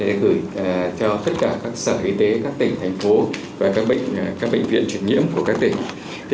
để gửi cho tất cả các sở y tế các tỉnh thành phố và các bệnh viện truyền nhiễm của các tỉnh